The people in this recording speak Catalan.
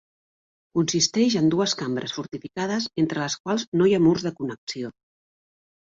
Consisteix en dues cambres fortificades entre les quals no hi ha murs de connexió.